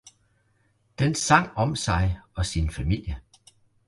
Den sang om sig og sin familie.